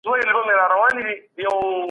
سوسياليستي نظام د خلګو ملکيت اخلي.